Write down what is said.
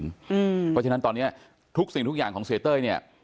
เพราะฉะนั้นตอนนี้ทุกสิ่งทุกอย่างของเสียเต้ยเนี่ย